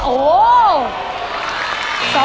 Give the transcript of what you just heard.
โอ้โห